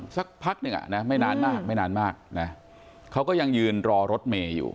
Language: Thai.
สักพักหนึ่งอ่ะนะไม่นานมากนะเขาก็ยังยืนรอรถเมอยู่